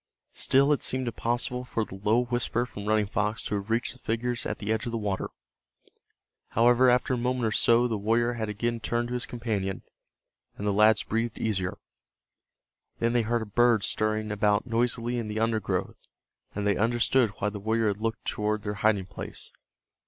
Still it seemed impossible for the low whisper from Running Fox to have reached the figures at the edge of the water. However, after a moment or so the warrior had again turned to his companion, and the lads breathed easier. Then they heard a bird stirring about noisily in the undergrowth, and they understood why the warrior had looked toward their hiding place.